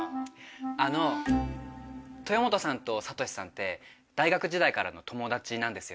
あの豊本さんと悟志さんって大学時代からの友達なんですよね？